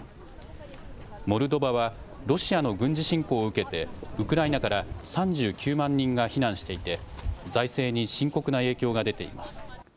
モルドバはロシアの軍事侵攻を受けてウクライナから３９万人が避難していて財政に深刻な影響が出ています。